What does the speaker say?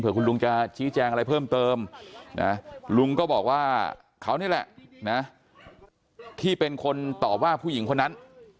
คุณลุงจะชี้แจงอะไรเพิ่มเติมนะลุงก็บอกว่าเขานี่แหละนะที่เป็นคนตอบว่าผู้หญิงคนนั้น